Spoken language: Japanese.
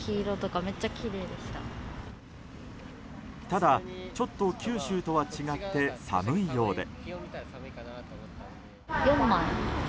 ただ、ちょっと九州とは違って寒いようで。